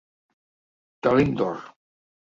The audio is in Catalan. Talent d'or.